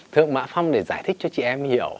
thượng mạ phong để giải thích cho chị em hiểu